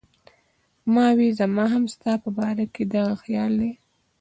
ما وې زما هم ستا پۀ باره کښې دغه خيال دی